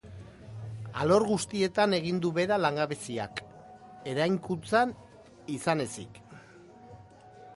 Alor guztietan egin du behera langabeziak, eraikuntzan izan ezik.